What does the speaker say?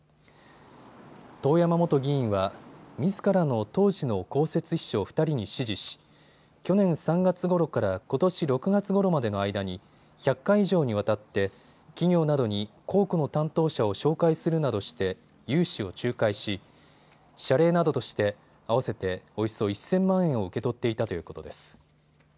遠山元議員はみずからの当時の公設秘書２人に指示し去年３月ごろからことし６月ごろまでの間に１００回以上にわたって企業などに公庫の担当者を紹介するなどして融資を仲介し謝礼などとして合わせておよそ１０００万円を受け取っていたということです。